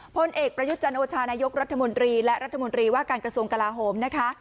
พลเอกประยุทธ์จันโอชานายกรัฐมนตรีและรัฐมนตรีว่าการกระทรวงกลาโหมนะคะ